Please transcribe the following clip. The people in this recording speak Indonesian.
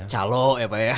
calok ya pak ya